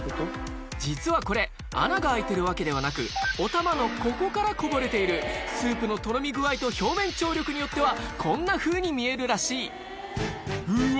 実はこれ穴が開いてるわけではなくおたまのここからこぼれているスープのとろみ具合と表面張力によってはこんなふうに見えるらしいうわ